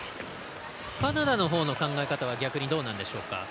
カナダのほうの考え方は逆に、どうなんでしょうか？